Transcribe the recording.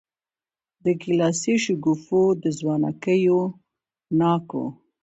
د ګیلاسي شګوفو د ځوانکیو ناکو